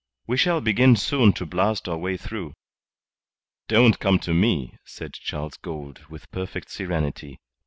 We shall begin soon to blast our way through." "Don't come to me," said Charles Gould, with perfect serenity.